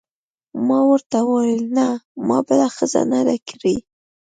ما ورته وویل: نه، ما بله ښځه نه ده کړې.